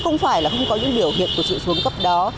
không phải là không có những biểu hiện của sự xuống cấp đó